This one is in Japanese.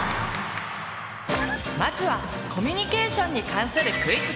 まずはコミュニケーションに関するクイズから。